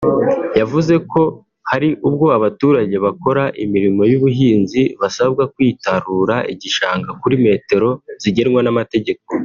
yavuze ko hari ubwo abaturage bakora imirimo y’ubuhinzi basabwa kwitarura igishanga kuri metero zigenwa n’amategeko